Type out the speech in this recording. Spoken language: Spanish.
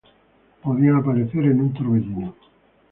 Podían aparecer en un torbellino.